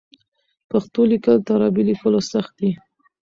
پښتو لیکل تر عربي لیکلو سخت دي.